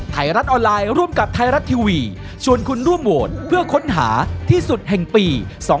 ไทยรัฐออนไลน์ร่วมกับไทยรัฐทีวีชวนคุณร่วมโหวตเพื่อค้นหาที่สุดแห่งปี๒๕๖